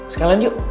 sekali lagi yuk